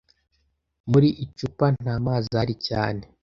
Muri icupa nta mazi ahari cyane